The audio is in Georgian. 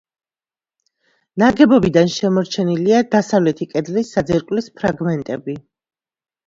ნაგებობიდან შემორჩენილია დასავლეთი კედლის საძირკვლის ფრაგმენტები.